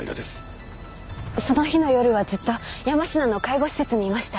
その日の夜はずっと山科の介護施設にいました。